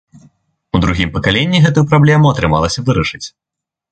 У другім пакаленні гэтую праблему атрымалася вырашыць.